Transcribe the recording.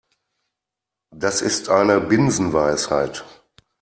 Das ist eine Binsenweisheit.